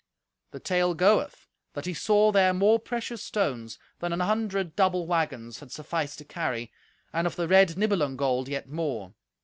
The tale goeth that he saw there more precious stones than an hundred double waggons had sufficed to carry, and of the red Nibelung gold yet more.